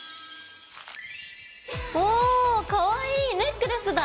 おおかわいいネックレスだ！